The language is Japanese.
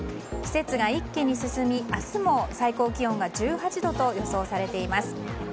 季節が一気に進み明日も最高気温が１８度と予想されています。